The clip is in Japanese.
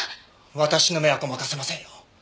私の目はごまかせませんよ。